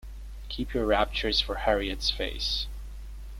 Keep your raptures for Harriet's face.